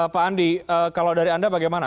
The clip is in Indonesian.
pak andi kalau dari anda bagaimana